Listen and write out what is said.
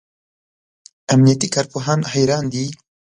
امنیتي کارپوهان حیران دي.